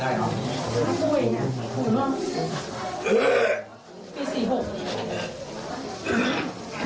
พี่๔๖ครับ